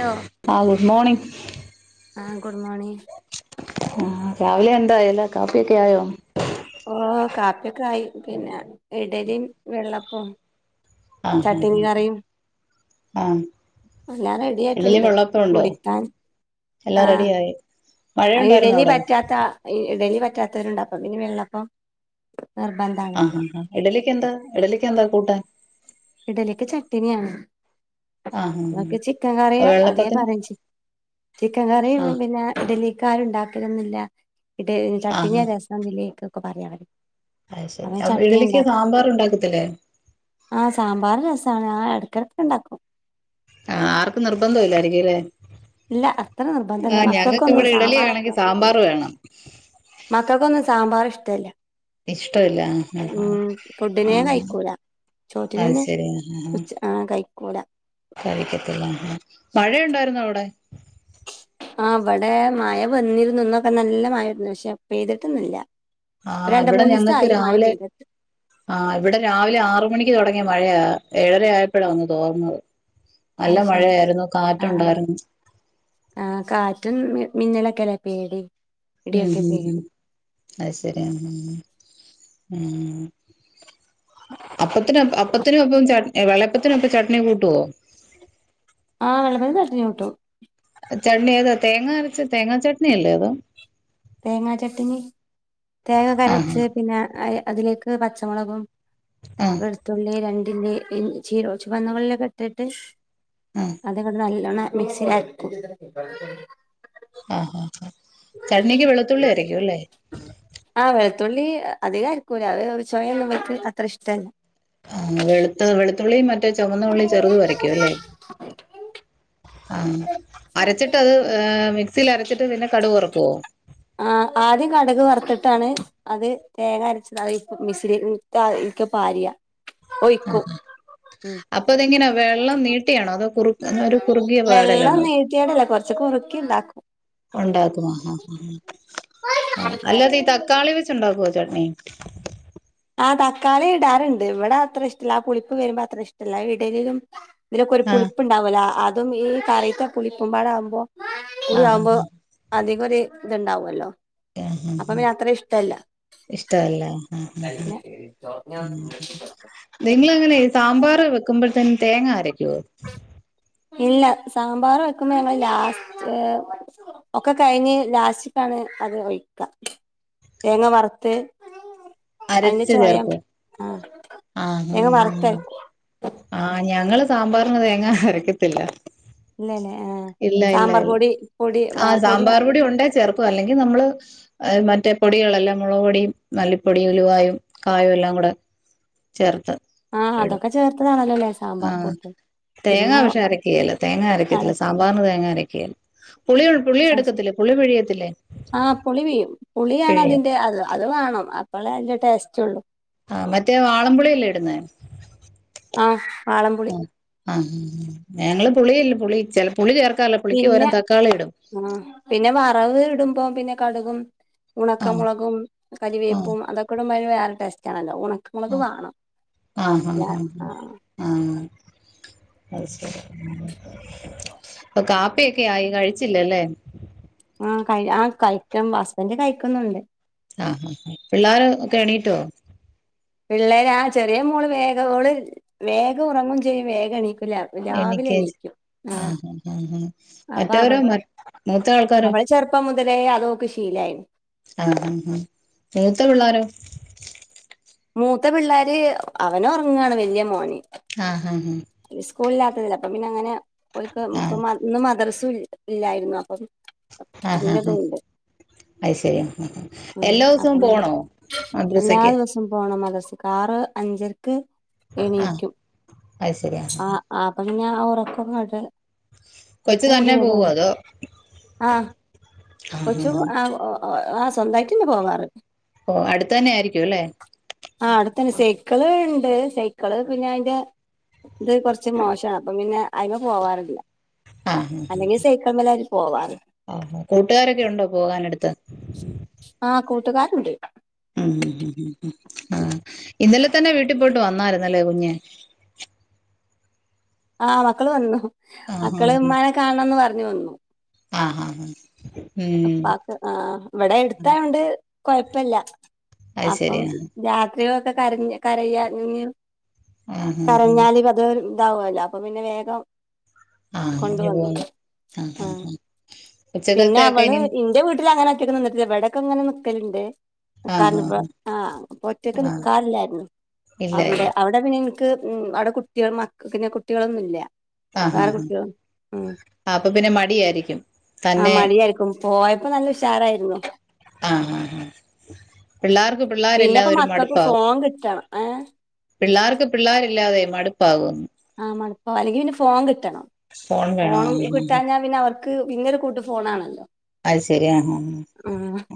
Hello ആഹ് good morning ആഹ്! Good morning ആഹ് രാവിലെ എന്തായി എല്ലാ കാപ്പിയൊക്കെ ആയോ? ഓഹ് കാപ്പിക്കെ ആയി പിന്നെ ഇഡലിയും വെള്ളപ്പം ആഹഹ് ആഹ്! ആഹ്! എല്ലാം റെഡി ഇഡ്ഡലി ആയിട്ടുണ്ട് വെള്ളപ്പമുണ്ടോ കുടിക്കാൻ എല്ലാം ആഹ് റെഡിയായി മഴയുണ്ടായിരുന്നോ ഇഡലി അവിടെ പറ്റാത്ത ഇഡ്ഡലി പറ്റാത്തവരുണ്ട് അപ്പൊ ഇനി വെള്ളപ്പം നിർബന്ധാണല്ലോ ആഹഹാ ഇഡ്ഡലിക്ക് എന്താ ഇഡ്ഡലിക്ക് എന്താ കൂട്ടാൻ ഇഡ്ഡലിക്ക് ചട്ടിനിയാണ് ആഹ് നക്ക് ചിക്കൻ കറിയ ആഹ് അതേ വെള്ളപ്പത്തിന് പറച് ചിക്കൻ കറിയ ആഹ് പിന്നെ ഇഡലിക്ക് ആരു ഉണ്ടാക്കലൊന്നില്ല ഇ ചട്ണി ആഹ് രസം വിലക്ക ഒക്കെ പറയാ അവര് അവൻ അയ്ശേരി ചട്ടിനി ഇഡലിക്ക് ഉണ്ടാക്കും സാമ്പാറ് ഉണ്ടാക്കത്തില്ലേ? ആഹ്! സാമ്പാർ രസാണ് ആഹ് എടക്കെടക്ക് ഇണ്ടാക്കും ആഹ്! ആർക്കും നിർബന്ധം ഇല്ലാരിക്കും അല്ലേ! ഇല്ല അത്ര നിർബന്ധം ഇല്ല മക്കൾക്കൊന്നും ഇവിടെ ഇഡലി സാമ്പാറ് ആണെങ്കിൽ - സാമ്പാർ വേണം മക്കൾക്കൊന്നും സാമ്പറ് ഇഷ്ടല്ല! ഇഷ്ടമില്ല ഉം... ആഹ് ആഹ് ഫുഡിനെ ആഹ് കഴിക്കൂല അത് ചോറ്റിനെന്നെ ശരി ഉച്ച. ആഹ് കയിക്കൂല കഴിക്കാത്തില്ല മഴയുണ്ടായിരുന്നോ അവിടെ? ആഹ്! ഇവിടെ മഴ വന്നിരുന്നു ഇന്നൊക്കെ നല്ല മഴ ഉണ്ടാരുന്നു പക്ഷെ പെയ്തിട്ടൊന്നുല്ല ആഹ്! രണ്ട് ഇവിടെ മൂന്ന് ഞങ്ങൾക്ക് ദിവസായി മഴ രാവിലെ പെയ്തിട്ട് ആഹ്! ഇവിടെ രാവിലെ ആറ് മണിക്ക് തുടങ്ങിയ മഴയാ ഏഴരയായപ്പോഴാ ഒന്ന് തോർന്നത് നല്ല അത് ശരി മഴയായിരുന്നു കാറ്റുണ്ടായിരുന്നു ആഹ്! കാറ്റും മിന്നലക്കെല്ലെ പേടി ഉം ഇടിയൊക്കെ ഹുംഹും പേടി അത് ശരിയ ഉം ഉം.... അപ്പത്തിന അപ്പത്തിനൊപ്പം ചട്ണി വെളപ്പത്തിനൊപ്പം ചട്ണി കൂട്ടുവോ? ആഹ്! വിള്ളപ്പത്തിന് ചട്ണി കൂട്ടും ചട്ണി ഏതാ തേങ്ങാ അരച്ച തേങ്ങാ ചട്ണിയല്ലേ അത് തേങ്ങാ ചട്ടണി തേങ്ങ ആഹ് അരച്ച് പിന്നെ അതിലേക്ക് പച്ചമുളകും. ആഹ് വെളുത്തുള്ളി, രണ്ടില്ലി ഇഞ്ചി, ഒരു പച്ച മുളക് ഇട്ടിട്ട്. ഉം... അത് നല്ലവണ്ണം മിക്സിഅരകും. ആഹ്! ചട്ണിക്ക് വെളുത്തുള്ളി അരയ്ക്കും അല്ലേ ആഹ്! വെളുത്തുള്ളി അധികം അരക്കൂല അത്ര ഇഷ്ടല്ല. ആഹ്! വെളുത്ത് വെളുത്തുള്ളിയും മറ്റേ ചുവന്നുള്ളി ചെറുത് അരക്കും അല്ലേ? ആഹ്! അരച്ചിട്ട് അത് മിക്സിൽ അരച്ചിട്ട് പിന്നെ കടുക്‌ വറക്കുവോ? ആ ആദ്യം കടക് വറത്തിട്ടാണ്. അത് തേങ്ങ അരച്ച മിക്സിലിട്ട് പാര. ആ അപ്പൊ അതെങ്ങനെയാ വെള്ളം നീട്ടിയാണോ അതോ കുറ ഒരു കുറുകിയ പാടലാണോ? നീട്ടിയിട്ടല്ല കുറച്ചു കുറുക്കിണ്ടാക്കും. ഉണ്ടാക്കും ആ അല്ലാതെ ഈ തക്കാളി വെച്ച് ഉണ്ടാക്കുവോ ചട്ണി? ആഹ്! തക്കാളി ഇടാറുണ്ട് ഇവിടെ അത്ര ഇഷ്ടമല്ല ആ പുളിപ്പ് വരുമ്പോ അത്ര ഇഷ്ടമല്ല ഇടലിലും. ഇതിലൊക്കെ ഒരു ആഹ് പുളിപ്പുണ്ടാവല അതും ഈ കറയിത്തെ പുളിപ്പമ്പാട ആകുമ്പോ കുട ആഹ് ആവുമ്പോ ആഹ് അധികം ഒരു ഇത്ണ്ടാവല്ലോ അപ്പൊ പിന്നെ അത്ര ഇഷ്ടല്ല ഇഷ്ട അല്ലെ [inaudible] നിങ്ങളെങ്ങനെ ഈ സാമ്പാർ വെക്കുമ്പോഴത്തന് തേങ്ങ ആരക്കുവോ? ഇല്ല സാമ്പാർ വെക്കുമ്പോ ഞങ്ങള് ലാസ്റ്റ്. ഒക്കെ കഴിഞ്ഞ് ലാസ്റ്റ്ക്കാണ് അത് ഒഴിക്ക. തേങ്ങ വർത്ത്. അയിന്റെ അരച്ച് ചൊയം ചേർക്കോ? ആഹ് ആഹ് ആഹ് തേങ്ങവർത്തരകും. ആഹ് ഞങ്ങള് സാമ്പാറിന് തേങ്ങാ അരയ്ക്കത്തില്ല. ഇല്ലലേ? ഇല്ല, ഇല്ല, ഇല്ല ആഹ് പൊടി സാമ്പാർപൊടി ഒണ്ടേ ചേർക്കും അല്ലെങ്കിൽ ന്നമ്മള് അഹ് മറ്റേ പൊടികളെല്ലാം മുളക് പൊടിം, മല്ലിപ്പൊടിം, ഉലുവായും, കായും, എല്ലാംകൂടെ ചേർത്ത് ആ എട് അതൊക്കെ ചേർത്തതാണല്ലോല്ലേ സാമ്പാർ ആഹ് കൂട്ട് തേങ്ങ പിന്നെ പക്ഷെ അരക്കേല തേങ്ങ അരക്കത്തില്ല. അരച്ച സാമ്പാറിന് തേങ്ങാ അരക്കേല. പുളി പുളി എടുക്കത്തില്ലേ പുളി പിഴിയത്തില്ലേ ആഹ് പുളി പീയും പുളിയാണ് പിഴിയും അതിന്റെ അദ അത് വാണം അപ്പളേ അതിന്റെ ടേസ്റ്റ്ഒള്ളു. ആഹ് മറ്റേ വാളംപുളില്ലേ ഇടുന്നേ? ആഹ് വാളംപുളി. ഹ ഹ്, ഹ് ഞങ്ങള് പുളിയല്ല പുളി ചെല പുളി ചേർക്കാറില്ലപുള്ളിക്ക് പിന്നെ പകരം തക്കാളിഇടും. ആഹ് പിന്നെ വറവ് ഇടുമ്പോ പിന്നെ കടുകും ആ ഉണക്ക മൊളകും ആ കരിവേപ്പും അതൊക്കെ ഇടുമ്പോ അയ്ന് വേറെ ടേസ്റ്റാണല്ലോ ഉണ ക്കമുളക് ആ വാണം ല ആഹ് ആഹ് അഹ് സെരി ആഹ് കാപ്പിയൊക്കെ ആയി കഴിച്ചില്ലലേ? ആ കഴ് ആ കൈക്കുപം ഹസ്ബെന്റ് കഴിക്കുന്നുണ്ട്. ആഹ്, ഹ, ഹ ഹ പിള്ളാര് ഒക്കെ എണീറ്റോ? പിള്ളേര് ആ ചെറിയ മോള് വേഗംഓള് വേഗം ഉറങ്ങും ചെയ്യും വേഗം എണീകുല എണീക്കേം ചെയ്യ്ആഹ്, ഹ, ഹ, ഹ മറ്റവരോ മ മൂത്ത ആൾക്കാരോ? ചെറുപ്പംമുതലേ അതോക്ക് ശീലായ്ണ്. ആഹ്, ഹ, ഹ, മൂത്ത പിള്ളാരോ? മൂത്ത പിള്ളേര് അവന് ഒർങ്ങാണ് വെല്ല്യ മോന്. ആഹ് ഹ, ഹ, ഇസ്കൂള് ഇല്ലാത്തതല്ലേ അപ്പപിന്നെ അങ്ങനെ ഓൽക്ക് ആഹ് ഇപ്പ ഇന്ന് മദ്ർസും ഇല്ല. ഇല്ലായിരുന്നു അപ്പം അതിന്റെതും ഉണ്ട്. അയ്ശെരി ഉം എല്ലൊസവും പോണോ മദ്രസയ്ക്ക്. ഉം പോണം മദസ്ക്ക് ആറ് അഞ്ചര്ക്ക് ആഹ് എണീക്കും അത് ശരി ആഹ് ആ ആപ്പ പിന്നാ ആ ഒറക്കങ്ങേട്ട് കൊച്ച് തന്നെ പോവോ കൂടിരാര് അതോ ആഹ് കൊച്ചു ആഹ് ഒ ഓഹാ സ്വന്തായിട്ടെന്നെ പോവാറ്. ഓ അടുത്ത്തന്നെ ആയിരിക്കുലേ? ആ അടുത്തന്നെ സെയ്ക്കള് ഇണ്ട് സെയ്ക്കിള് പിന്നെ അയ്ന്റെ ഇത് കൊർച്ച് മോഷാ അപ്പം പിന്നെ അയ്മെ പോവാറില്ല. ആഹ് ആഹ് അല്ലെങ്കിൽ സെയ്ക്കൾമലാ ഓല് പോവാറ്. ആഹ് കൂട്ടുകാരൊക്കെ ഉണ്ടോ പോകാനടുത്ത്? ആഹ് കൂട്ടുകാരുണ്ട്. ഉം ഹ്, ഹ്, ഹ് ആ ഇന്നലെതന്നെ വീട്ടിൽ പോയിട്ട് വന്നായിരുന്നല്ലേ കുഞ്ഞ്. ആഹ് മക്കള് വന്നു ആഹ് മക്കള് ഇമ്മാനെ കാണണംന്ന് പറഞ്ഞ് വന്നു. ആ, ഹാ, ഹ ഉപ്പാക്ക് ആഹ് ഇവടെ എടുത്തായോണ്ട് കൊയപ്പല്ല. അത് ശരി അപ്പം ആഹ് രാത്രി ഒക്കെ കരഞ്ഞ് കരയ ഞ്ഞ് ആഹ് ആഹ് കരഞ്ഞാല് അത് ഇതാവോലോ അപ്പൊ പിന്നെ വേഗം ആഹ് കൊണ്ടുവന്നു ഞ്ഞുപോന്നുആഹ്, ആഹ്, ഹാ പിന്നെ ഉച്ചക്കത്തൊക്കെ അവള് ഇനി ഇന്റെ വീട്ടില് അങ്ങനെ ഒറ്റക്ക് ന്നിന്നിട്ടില്ല ഇവടൊക്കെ ഇങ്ങനെ ന്നിക്കല്ണ്ട്. ആഹ് കാറി ആഹ് ആ പൊറ്റക്ക് ആഹ് നിക്കാറില്ലായിരുന്നു ഇല്ല അവിടെ ഇല്ല അവി ആടെ പിന്നെൻക്ക് ഉം അവ്ടെ കുട്ട്യാ മക്ക പിന്നെ കുട്ടികളൊന്നുംല്ല്യ ആഹ് വേറെ ആഹ് കുട്ട്യോള്. ഉം. ആഹ് അപ്പൊ പിന്നെ മടിയായിരിക്കും ആഹ് തന്നെ മടിയായ്ര്ക്കും പോയപ്പോ നല്ല ഉഷാറായ്ര്ന്നു. ആഹ് ആഹ് ആഹ്. പിളള്യാർക് പിന്നെപ്പോ പിള്ളേരെല്ലാവരും മക്കൾക്ക് മടുപ്പാവും. ഫോൺ കിട്ടണം ഏഹ് പിള്ള്യാർക്ക് പിള്ള്യാരില്ലാതെ മടുപ്പാകും. ആഹ് മടുപ്പ അല്ലെങ്കിൽ പിന്നെ ഫോൺ കിട്ടണം ഫോൺ വേണോ ആ, ഫോണും ആ, ആ. കിട്ടാഞ്ഞാ പിന്നെ അവർ ക്ക് പിന്നൊരു കൂട്ട് ഫോണാണല്ലോ. അയ്ശെരി ആഹ് ആഹ്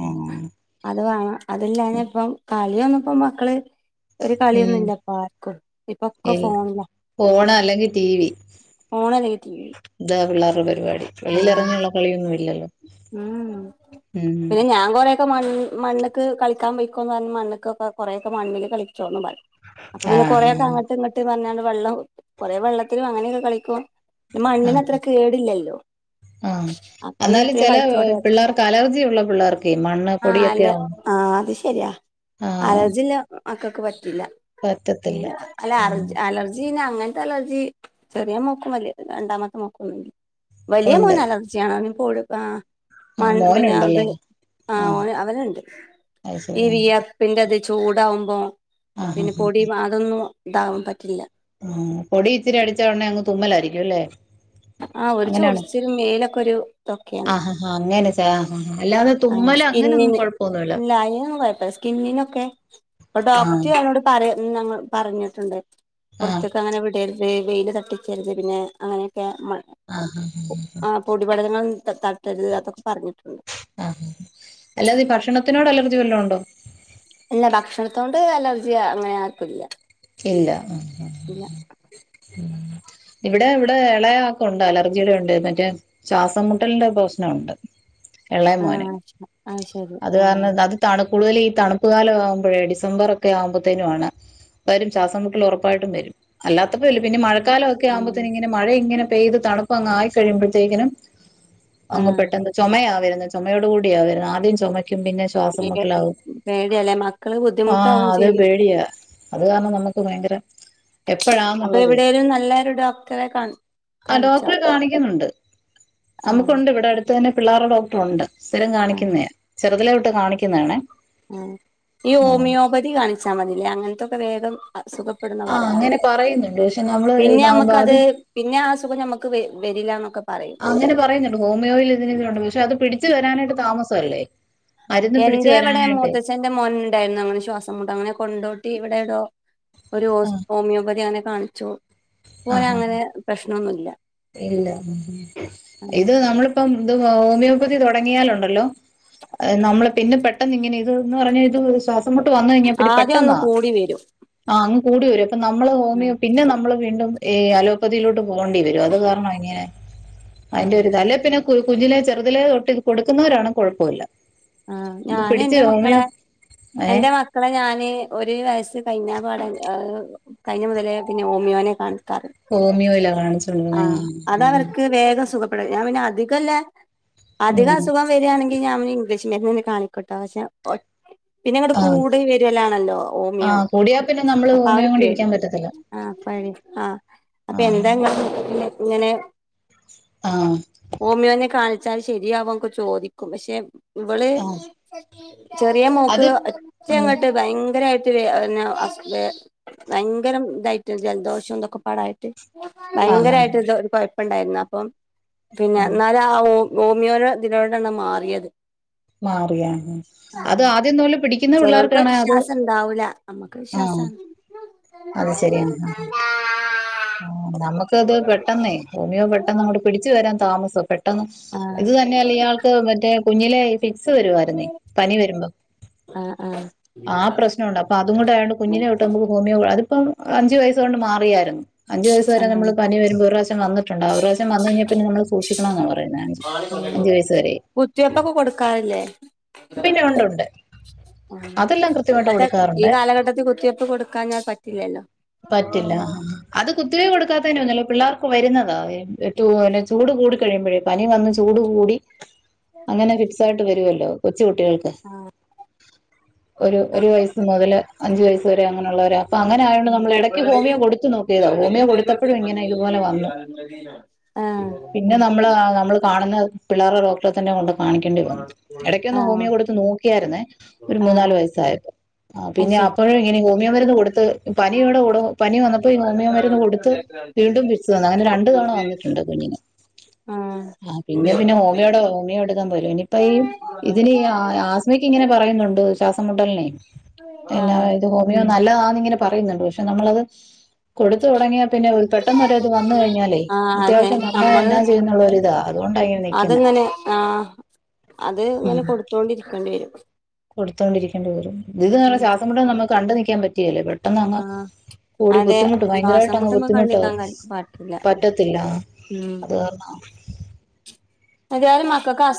ആഹ്. അത് വാണം, അതില്ലാഞാപ്പം കളൊന്നുപ്പോ മക്കള്. ഒരു കളൊന്നുംല്ല ഇപ്പ ആർക്കും ഇപ്പൊക്കെ ഇല്ല ഫോണിലാ. ഫോണ് അല്ലെങ്കി ടി വി. ഫോണ് ആല്ലെങ്കി ടീ വി. താ പിള്ളേര്ടെ പരിപാടി വെളിയിലെറങ്ങിയ്ള്ള കളിയൊന്നും ഇല്ലല്ലോ. [unintelligible] ഉം പിന്നെ ഞാൻ കൊറേ. ഇപ്പൊ മൺ മണ്ണ്ക്ക് കളിക്കാം പൊയ്ക്കോന്ന് പറഞ്ഞ് മണ്ണ്ക്കൊക്കെ കൊറേഒക്കെ മണ്ണില് കളിച്ചോ പറിം. അപ്പൊ പിന്നെ ആഹ് കൊറേക്കെ അങ്ങട്ട് ഇങ്ങട്ട് പറഞ്ഞാണ്ട് വെള്ളം കൊറേ വെള്ളത്തിലും അങ്ങനെയൊക്കെ കളിക്കും ഈ ആഹ് മണ്ണിനത്ര കേടില്ലല്ലോ അപ്പ ചെല പിള്ളേർക്ക് അലർജി ഉള്ള പിള്ളേർക്ക്‌ മണ്ണ് ആഹ് പൊടിയൊക്കെ അല്ല ആവു ആഹ് അത് ശെര്യാ അലർജിള്ള മക്കൾക്ക് പറ്റില്ല. പറ്റത്തില്ല അല്ല അർ ഉം അലർജി അയ്നങ്ങൻ അലർജി ചെറിയ മോക്കും രണ്ടാമത്തെ മോക്കും ണ്ട് വലിയ ഉണ്ട് മോന്അലർജില്ല. ജാണ് പോട്കാ. ആ മണ് പിന്നെ ത് മോനുണ്ടല്ലേ ആ ഓന് അവന്ണ്ട് അത് ഈ ശരി വിഅ ർപിൻ്റത് ചൂടകുമ്പോ ആ ഹാ പിന്നെ ഹാ പൊടി അതൊന്നും ഇതാകാൻ പറ്റില്ല. ആഹ് പൊടി ഇച്ചിരി അടിച്ച ഉടനെഅങ്ങ് തുമ്മലായിരിക്കും അല്ലേ? ആ ഒരു അങ്ങനെയണോ ചൊറിച്ചിലും മേലൊക്കെ ഒരു ഇതൊക്കെയാണ് ആഹ് ആഹ്അങ്ങെനെ ചാ അല്ലാതെ. ആ തുമ്മല് അങ്ങനെയൊന്നും സ്കിന്നിന് കുഴപ്പമൊന്നുമില്ല ഇല്ല അയ്നെന്നും കൊഴ്പ്പല്ല സ്കിന്നിനൊക്കെ ന്നട്ട്പ്പൊ ആ ഡോക്റ്റോനോട് പറ ഞങ്ങൾ പറഞ്ഞിട്ടുണ്ട് ആ പൊർത്ത്ക്ക ങ്ങനെ വിടര് വെയ്ല് തട്ടിച്ചരുത് പിന്നെ അങ്ങനെയൊക്കെ മ ആഹ്. വിപടനങ്ങളൊന്നും തട്ടരുത് അതൊക്കെ പറഞ്ഞിട്ടുണ്ട്. ആഹ്, അല്ലാതെഈ ഭക്ഷണത്തിനോട് അലർജി വല്ലോം ഉണ്ടോ? ഇല്ല ഭക്ഷണത്തോണ്ട് അലർജി അങ്ങനെ ആർക്കും ഇല്ല. ഇല്ല ഉം. ഇല്ല ഇവിടെവിടെ ഇളയാക്കുണ്ട് അലർജിയുടെ ഇണ്ട് മറ്റേ ശ്വാസം മുട്ടലിന്റെ പ്രശ്നോണ്ട്. എള്ളയ മോന്, ആഹ് ശ ആഹ് ശരി അത് കാരണം ആഹ് അത്. തണുപ്പു ള്ള കൂടുതൽ ഈ തണുപ്പ്കാല ആവുമ്പോഴേ ഡിസംബർ ഒക്കെ ആവുമ്പോത്തിനുആണ്. വരും ശ്വാസം മുട്ടല് ഉറപ്പായിട്ടും വരും. അല്ലാത്തപ്പോല്ലപിന്ന ഉം മഴക്കാലം ഒക്കെ ഉം ആവുമ്പോത്തിനിങ്ങി. മഴ ഇങ്ങനെ പെയ്ത് തണുപ്പ് അങ്ങ് ആയിക്കഴിയുമ്പോത്തേക്കിനും അങ്ങ് ആഹ് പെട്ടെന്ന്. ചൊമയാവര്ന്ന്, ചൊമയോട്കൂടിയാവര്ന്നു ആദ്യം ചൊമക്കും പിന്നെ ശ്യാ ശ്വാസംമുട്ടലാവും പേടിയല്ലേ മക്കള് ആഹ് ബുദ്ധിമുട്ടാവും അതെ ചെയ്യും പേടിയാ. അത് കാരണം നമുക്ക് ഭയങ്കര. അപ്പൊ എപ്പഴാന്നുള്ളത് എവിടെലും നല്ലൊരു ഡോക്ടറെ കാണി ആ കാണിച്ചോ ഡോക്ടറെ കാണിക്കുന്ന്ണ്ട്. ആഹ് നമുക്കുണ്ട് ഇവിടെ അടുത്തെന്നെ പിള്ളേര്ടെ ഡോക്ടറുണ്ട്. സ്ഥിരം ആഹ് കാണിക്കുന്നെയാ ചെറുതലെ തൊട്ട് കാണിക്കുന്നയാണേ. ആഹ് ഈ ഹോമിയോപതി കാണിച്ചാ മതില്ലേ അങ്ങൻത്തൊക്കെ വേഗംസുഖം. എവിടുന്ന പറയാറ്, അങ്ങനെ പറയുന്നുണ്ട് പക്ഷെ നമ്മള് ഇഞ്ഞി ഇതാകുമ്പോ അത് നമ്ക്കത്. പിന്നെ ആസുഖം നമുക്ക് വരില്ലാന്നൊക്കെ പറയും. അങ്ങനെ പറയുന്ന്ണ്ട് ഹോമിയോയിൽ ഇതിന്ണ്ട് പക്ഷെ അത് പിടിച്ച് വരാനായിട്ട് താമസല്ലേ. മരുന്ന് പിടിച്ച് വരാനായ്ട്ടെ. അഛൻന്റെമോന്ണ്ടായിര്ന്നു അങ്ങനെ ശ്വാസംമുട്ട് അങ്ങനെ കൊണ്ടോട്ടീ ഇവിടെതോ. ഒരു ഹോസ് ഹോമിയോപതി ഓനെ കാണിച്ചു. ഇപ്പോന് ആഹ് അങ്ങനെ പ്രശ്നൊന്നുല്ല ഇല്ല ഇത് നമ്മള്.. ഇപ്പം ഇത് ഹോമിയോപ്പതി തുടങ്ങിയാലുണ്ടല്ലോ നമ്മള് പിന്നെ പെട്ടെന്ന് ഇങ്ങനെ ഇത് ന്ന് പറഞ്ഞാ ഇത് ശ്വാസ സമുട്ട് വന്ന് കഴിഞ്ഞപ്പിന്നെ ആദ്യം ഒന്ന് പെട്ടെന്നാ കൂടി വരും ആഹ് അങ്ങ് കൂടി വരും അപ്പൊ നമ്മള് ഹോമിയോ ആഹ് പിന്നെ നമ്മള് വീണ്ടും ഈഹ് അലോപ്പതിയിലോട്ട് പോകേണ്ടി വരും അത് കാരണം ഇങ്ങനെ അതിന്റെ ആഹ് ഒരുത് അല്ലേ പിന്നെ കുഞ്ഞിലെ ചെറുതലേ തൊട്ട് ഇത് കൊടുക്കുന്നവരാണെകുഴപ്പല്ല. ആഹ് ഞാന് എൻറെ മക്കളെ ഏ എന്റെ മ ക്കളെ ഞാന് ഒരു വയസ്സ് കഴിഞ്ഞ പാടെ ഏഹ് കഴിഞ്ഞ മുതലേ പിന്നെ ഓമിയോനെ കാണിക്കാറ്. ഹോമിയോയിലാ കാണിച്ചോണ്ടിരുന്നത് ആഹ്, അതവർക്ക് വേഗം സുഖ ഞാൻ പിന്നെ അധികല്ല ഉം. അധികസുഖം വരികയാണെങ്കി ഞാ ഇംഗ്ലീഷ് മര്ന്ന്ന്നെ കാണിക്കോട്ട ശെ ഒറ്റ പിന്നെങ്ങടെ ആ കൂടിവരിയലാണല്ലോ ഓമിയോ ആഹ് കൂടിയാ പിന്നെ നമ്മള് അപ്പൊ ആ ഹോമിയോ ഒരു കൊണ്ട് പേടി ഇരിക്കാൻ പറ്റത്തില്ല ആഹ് പരി ആഹ് അപ്പൊ ആഹ് എന്താങ്ങ പിന്നെ ഇങ്ങനെ [unintelligible] ആഹ് ഓമിയോനെ കാണിച്ചാല് ശരിയാവുയൊക്കെ ചോദിക്കും പക്ഷെ ഇവള് ആഹ് ചെറിയ മോക്ക് അത് എത്രയു ഉം പെട്ടെ ഭയങ്കരമായിട്ട് വെ ന്ന അസു ഭയങ്കരം ഇതായിട്ട് ജലദോഷന്തൊക്കെ പാടായിട്ട് ആഹ് ആഹ് ഭയങ്കരമായിട്ട് ഇത് ഒരു കൊഴപ്പുണ്ടായിരുന്നു അപ്പം പിന്നെ നാട്ട് ആഹ് ഹോ ഹോമിയോന്റെ ഇതിലോടാണ് മാറിയത് മാറിയ ആഹ് ആഹ് അത് ആഹ് ആദ്യമുതൽ പിടിക്കുന്ന ചെലോർക്ക് പിള്ളേർക്കാണെ അത് വിശ്വാസം ഉണ്ടാവൂല നമ്മക്ക് ആഹ് വിശ്വാസാണ് അത് ശരിയാന് ആഹ് നമുക്കത് പെട്ടെന്നേ ഓമിയോ പെട്ടെന്നങ്ങോട്ട് പിടിച്ചു വരാൻ താമസം പെ പെട്ട ആഹ് ഇത് തന്നെയല്ല ഇയാൾക്ക് മറ്റേ കുഞ്ഞിലെ ഫിക്സ് വരുായിരുന്നേ പനി വരുമ്പോ ആഹ് ആഹ് ആ പ്രശ്നംണ്ട് അപ്പ അതുംകൊണ്ടായണ്ട് കുഞ്ഞിനെ തൊട്ട് നമുക്ക് ഹോമിയോ അതിപ്പം അഞ്ചു വയസ കൊണ്ട് മാറിയാരുന്നു അഞ്ച്വയസ്സ് വരെ ആഹ് നമ്മള് പനി വരുമ്പോൾ [unintelligible] വന്നിട്ടുണ്ട ഒരു പ്രാവശ്യം വന്ന കഴിഞ്ഞാൽ പിന്ന നമ്മള് സൂക്ഷിക്കണംന്ന പറയ്ന്നെ അഞ്ച് വയസ് വരെ കുത്തിവെപ്പൊക്കെ കൊടുക്കാറില്ലേ? [inaudible] പിന്നെ ഉണ്ട് ഉണ്ട് അതെല്ലാം കൃത്യമായിട്ട് മറ്റേ ഈ കൊടുക്കാറുണ്ട് കാലഘട്ടത്തിൽ കുത്തിവെപ്പ് കൊടു കാഞാ പറ്റില്ലല്ലോ പറ്റില്ല അത് കുത്തിവ കൊടുക്കാതേയൊന്നുയല്ല പിള്ളേർക്ക് വരുന്നത [unintelligible] പിന്നെ ചൂട് കൂടി കഴിയുമ്പോഴേ പനി വന്ന് ചൂട് കൂടി അങ്ങനെ ഫിക്സായിട്ട് വരുഅല്ലോ കൊച്ചുകുട്ടികൾക്ക് ആഹ് ഒരു ഒരു വയസ്സ് മുതല് അഞ്ചു വയസ് വരെ അങ്ങനെയുള്ളവരെ അപ്പൊ അങ്ങനെ അയോണ്ട് [unintelligible] കൊടുത്തപ്പോഴും ഇങ്ങനെ ഇതുപോലെ [unintelligible] [inaudible] ആഹ് പിന്ന നമ്മള് നമ്മൾ കാണുന്ന പിളേറെ ഡോ ക്ടറിനെ കൊണ്ട് കാണിക്കേണ്ടി വന്നു ഇപ്പ തന്നെ കൊണ്ട് സഹായിക്കുന്ന എടയ്ക്കൊന്നു ആഹ് ഹോമിയോ കൊടുത്തു നോക്കിയാരുന്നേ ഒരു മൂന്നാല് ആഹ് വയസ്സായപ്പോ ആഹ് അത് പിന്നെ ശരി അപ്പഴേ ഇങ്ങനെ ഹോമിയോ മരുന്ന് കൊടുത്ത് പനിയോടെ കൂടെ പനി വന്നപ്പോ ഈ ഹോമിയോമരുന്ന് കൊടുത്ത് വീണ്ടും പിക്സ് വന്ന് അങ്ങനെ രണ്ടു തവണ വന്നിട്ടുണ്ട് കുഞ്ഞിന് ആഹ് ആ പിന്നെ പിന്നെ ഹോമിയോ ഡോ ഹോമിയോ എടുക്കാൻ പോയി. ഇനിയിപ്പ ഈ ഇതിന് ആസ്മയ്ക്ക്, ഇങ്ങനെ പറയുന്നുണ്ട് ശ്വാസംമുട്ടലിനെ പിന്നെ ആഹ് ഇത് ഹോമിയോ നല്ലതാന്നിങ്ങനെ പറയിന്ന്ണ്ട് പക്ഷെ നമ്മളത് കൊടുത്ത് തുടങ്ങിയാ പിന്നെ പെട്ടെന്നൊരിത് വന്ന് കഴിഞ്ഞാലേ ആഹ് അതെ അത്യാവശ്യം വന്ന നമ്മള് എന്നാ ചെയ്യുന്നുള്ളോരിതാ അതുകൊണ്ടായിങ്ങനെ നിൽക്കുന്നെ. അതിങ്ങനെ ആഹ് അത് ഇങ്ങനെ കൊടുത്തോണ്ടിരിക്കേണ്ടി വരും കൊടുത്തോണ്ടിരിക്കണ്ടി വരും ഇത്ന്ന് പറഞ്ഞ ഉം ശസംമുട്ട് നമുക്ക് കണ്ടു നിക്കാൻ പറ്റില്ലേ ആഹ് കൂടി അതെ ബുദ്ധിമുട്ടും ഭയങ്കരായിട്ട് ശ്വാസം അങ്ങ് മുട്ടൊന്നും ബുദ്ധിമുട്ടാവും കണ്ടിക്കാൻ പറ്റില്ല പറ്റത്തില്ല ഉം അത് [unintelligible] [unintelligible]